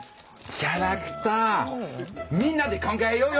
キャラクターみんなで考えようよ！